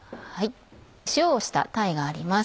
塩をした鯛があります。